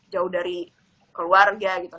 jauh dari keluarga gitu